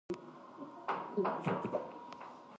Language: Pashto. پروفیسور نګ منلې، د اولو لیدل ستونزمن دي.